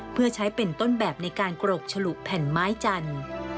เพื่อใช้เป็นต้นแบบในการกรกฉลุแผ่นไม้จันทร์